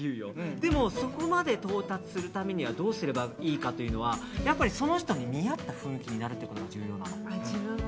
でも、そこまで到達するためにはどうすればいいかというのはその人に見合った雰囲気に自分が？